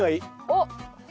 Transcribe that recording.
おっ！